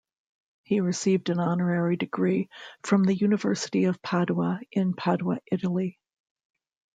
He received an honorary degree from the University of Padua in Padua, Italy.